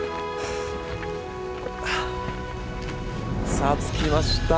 さあ着きました。